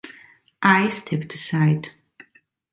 I stepped aside.